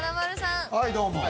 はいどうも。